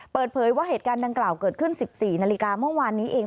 เปิดเผยว่าเหตุการณ์ดังกล่าวเกิดขึ้น๑๔นาฬิกาเมื่อวานนี้เอง